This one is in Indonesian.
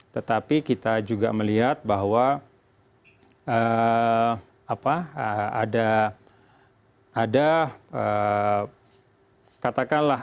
tetapi kita juga melihat bahwa eee apa ada ada eee katakanlah